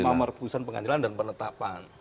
dalam amar putusan pengadilan dan penetapan